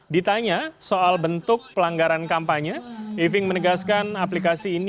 ditanya soal bentuk pelanggaran kampanye eving menegaskan aplikasi ini